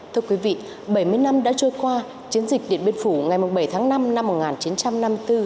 thưa quý vị bảy mươi năm đã trôi qua chiến dịch điện biên phủ ngày bảy tháng năm năm một nghìn chín trăm năm mươi bốn